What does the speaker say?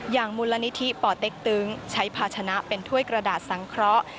มูลนิธิป่อเต็กตึงใช้ภาชนะเป็นถ้วยกระดาษสังเคราะห์